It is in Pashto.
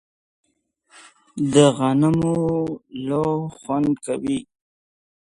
د غنمو لو خوند کوي